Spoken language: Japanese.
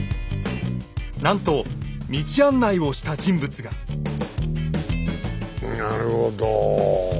なんと道案内をした人物がなるほど。